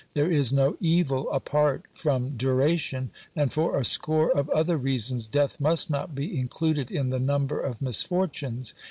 There is no evil apart from duration, and for a score of other reasons death must not be included in the number of misfortunes.